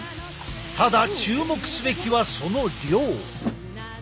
ただ注目すべきはその量。